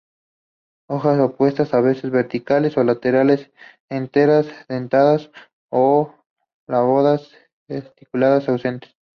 Hojas opuestas, a veces verticiladas o alternas, enteras, dentadas o lobadas; estípulas ausentes.